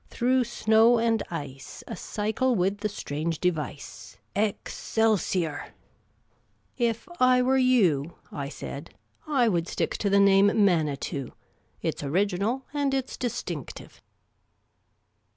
' Tiirough snow and ice, A cycle with the .strange device. Excelsior !'"" If I were you," I said, " I would stick to the name Mauiloii. It 's original, and it 's distinctive."